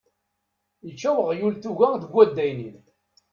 Yečča weɣyul tuga deg udaynin.